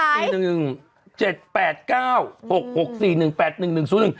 ๓ตัวท้าย